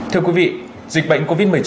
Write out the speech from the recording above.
thưa quý vị dịch bệnh covid một mươi chín